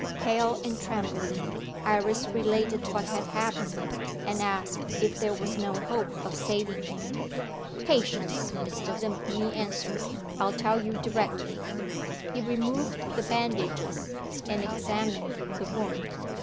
Pale and trembling, Iris related what had happened, and asked if there was no hope of saving him. "Patience!" Mr. Vimpany answered; "I'll tell you directly." He removed the bandages, and examined the wound.